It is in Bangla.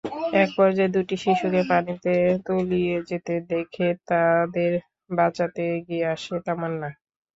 একপর্যায়ে দুটি শিশুকে পানিতে তলিয়ে যেতে দেখে তাদের বাঁচাতে এগিয়ে আসে তামান্না।